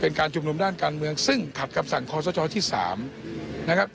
การชุมนุมด้านการเมืองซึ่งขัดคำสั่งคอสชที่๓นะครับ